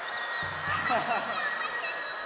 おまつりおまつり！